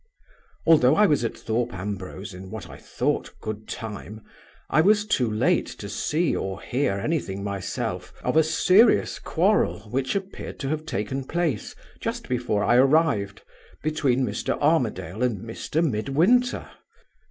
"Although I was at Thorpe Ambrose in what I thought good time, I was too late to see or hear anything myself of a serious quarrel which appeared to have taken place, just before I arrived, between Mr. Armadale and Mr. Midwinter.